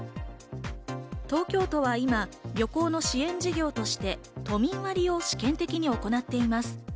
東京都は今、旅行の支援事業として都民割を試験的に行っています。